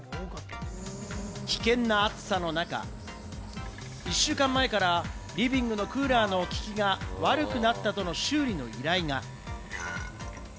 危険な暑さの中、１週間前からリビングのクーラーの効きが悪くなったと修理の依頼が。